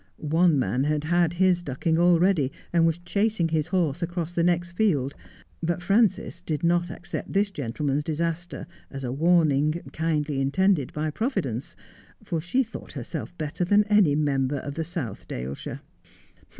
One man had had his ducking already, and was chasing his horse across the next field ; but Frances did not accept this gentleman's disaster as a warning, kindly intended by Providence, for she thought herself better than any member of the South Daleshire.